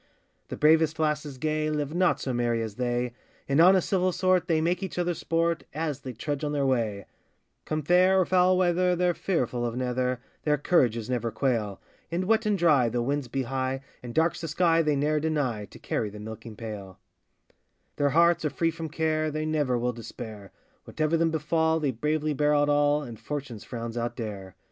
The bravest lasses gay, Live not so merry as they; In honest civil sort they make each other sport, As they trudge on their way; Come fair or foul weather, they're fearful of neither, Their courages never quail. In wet and dry, though winds be high, And dark's the sky, they ne'er deny To carry the milking pail. Their hearts are free from care, They never will despair; Whatever them befal, they bravely bear out all, And fortune's frowns outdare.